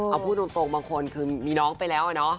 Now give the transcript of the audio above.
เอาพูดตรงบางคนคือมีน้องไปแล้วอะเนาะ